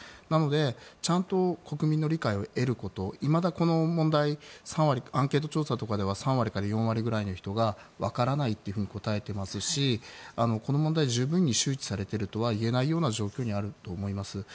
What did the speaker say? なのでちゃんと国民の理解を得ることいまだ、この問題アンケート調査とかでは３割から４割くらいの人が分からないと答えていますしこの問題は十分に周知されているとはいえない状況にあると思います。